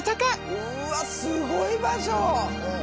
うわっすごい場所！